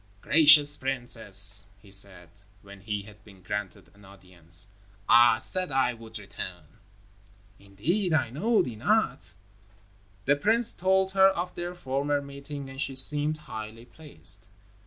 "Gracious princess," he said, when he had been granted an audience. "I said I would return." "Indeed! I know thee not." The prince told her of their former meeting and she seemed highly pleased.